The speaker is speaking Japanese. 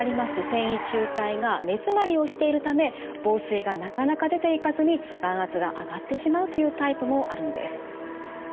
線維柱帯が目づまりをしているため房水がなかなか出ていかずに眼圧が上がってしまうというタイプもあるんです。